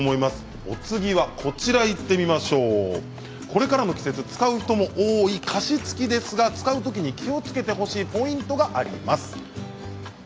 これからの季節、使う人も多い加湿器ですが使う時に気をつけてほしいポイントがあります。